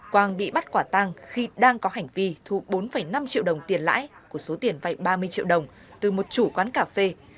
quang bị bắt quả tăng khi đang có hành vi thu bốn năm triệu đồng tiền lãi của số tiền vay ba mươi triệu đồng từ một chủ quán cà phê